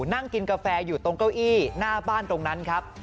นั่งกินกาแฟอยู่ตรงเก้าอี้หน้าบ้านตรงนั้นครับ